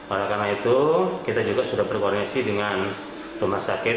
oleh karena itu kita juga sudah berkoordinasi dengan rumah sakit